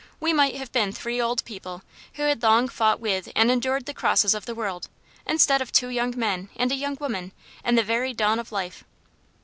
We might have been three old people, who had long fought with and endured the crosses of the world, instead of two young men and a young woman, in the very dawn of life.